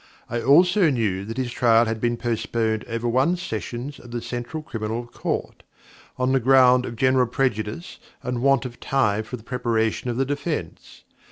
I also knew that his trial had been postponed over one Sessions of the Central Criminal Court, on the ground of general prejudice and want of time for the preparation of the defence.